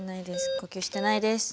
呼吸してないです。